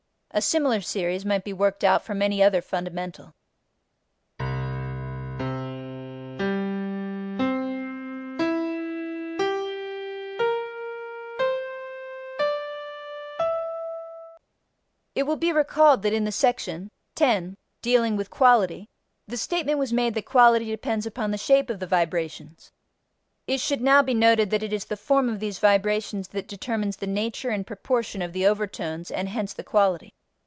A similar series might be worked out from any other fundamental. [Illustration: (NOTE: The B[flat] in this series is approximate only.)] It will be recalled that in the section (10) dealing with quality the statement was made that quality depends upon the shape of the vibrations; it should now be noted that it is the form of these vibrations that determines the nature and proportion of the overtones and hence the quality.